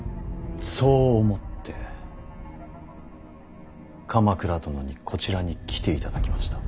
そう思って鎌倉殿にこちらに来ていただきました。